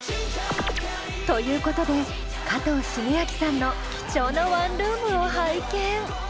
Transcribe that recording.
ということで加藤シゲアキさんの貴重なワンルームを拝見！